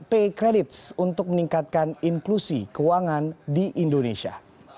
pay credits untuk meningkatkan inklusi keuangan di indonesia